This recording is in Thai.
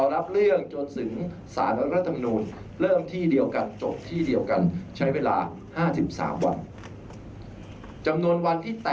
หรือเกือบ๑ปีนะครับ